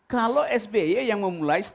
kalau sby yang memulai stadium empat